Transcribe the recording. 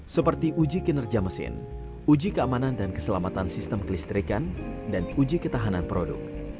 seperti uji kinerja mesin uji keamanan dan keselamatan sistem kelistrikan dan uji ketahanan produk